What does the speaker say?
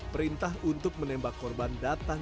perintah untuk menembak korban datang